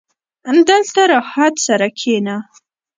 • دلته راحت سره کښېنه.